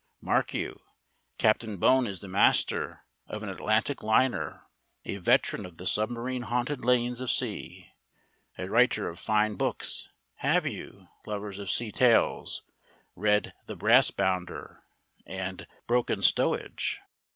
Mark you: Captain Bone is the master of an Atlantic liner, a veteran of the submarine haunted lanes of sea, a writer of fine books (have you, lovers of sea tales, read "The Brassbounder" and "Broken Stowage"?)